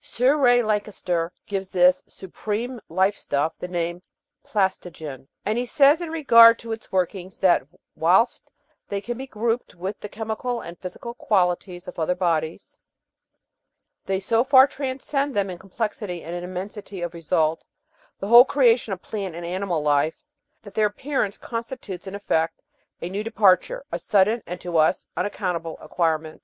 Sir Ray Lankester gives this "supreme life stuff" the name "plastogen," and he says in regard to its workings that "whilst they can be grouped with the chemical and physical qualities of other bodies, they so far trans cend them in complexity and in immensity of result the whole creation of plant and animal life that their appearance con stitutes, in effect, a new departure, a sudden, and to us, unac countable acquirement.